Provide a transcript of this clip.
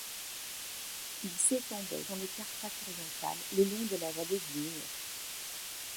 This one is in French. Il s'étendait dans les Carpates orientales, le long de la vallée du Mureș.